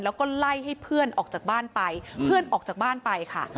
แล้วก็ไล่ให้เพื่อนออกจากบ้านไปเพื่อนออกจากบ้านไปค่ะ